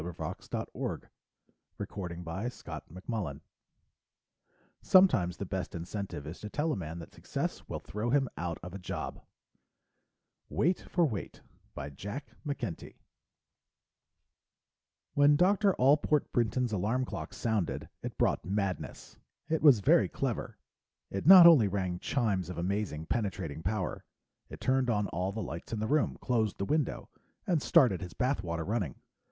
pgdp.net Wait for Weight By JACK McKENTY Sometimes the best incentive is to tell a man that success will throw him out of a job! Illustrated by SIBLEY When Dr. Allport Brinton's alarm clock sounded, it brought madness. It was very clever; it not only rang chimes of amazing penetrating power, it turned on all the lights in the room, closed the window, and started his bath water running.